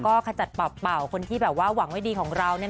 ก็ขจัดเป่าคนที่แบบว่าหวังไว้ดีของเรา